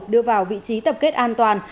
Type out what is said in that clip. đưa vào vị trí tập kết an toàn